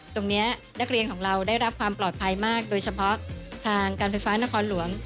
นักเรียนของเราได้รับความปลอดภัยมากโดยเฉพาะทางการไฟฟ้านครหลวง